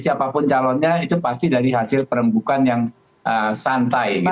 siapapun calonnya itu pasti dari hasil perembukan yang santai